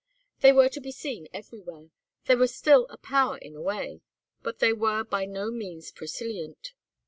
They were to be seen everywhere, they were still a power in a way, but they were by no means prosilient.